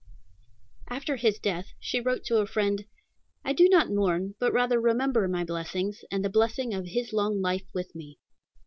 After his death, she wrote to a friend, "I do not mourn, but rather remember my blessings, and the blessing of his long life with me."